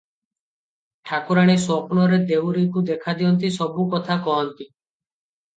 ଠାକୁରାଣୀ ସ୍ୱପ୍ନରେ ଦେଉରୀକୁ ଦେଖାଦିଅନ୍ତି, ସବୁ କଥାକହନ୍ତି ।